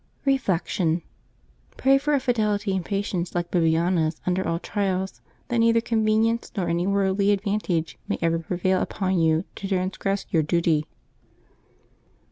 Reflection. — ^^Pray for a fidelity and patience like Bibi ana^s under all trials, that neither convenience nor any worldly advantage may ever prevail upon you to transgress your duty.